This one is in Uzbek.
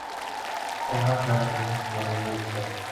Quvnoq yoshligimiz voyaga yetdi.